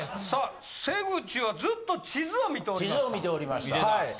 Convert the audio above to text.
さあ、瀬口はずっと地図を見ておりました。